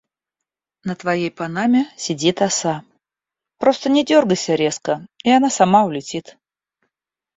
На твоей панаме сидит оса. Просто не дёргайся резко и она сама улетит.